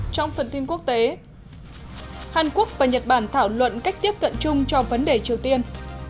trong phần tin quốc tế hàn quốc và nhật bản thảo luận cách tiếp cận chung cho vấn đề triều tiên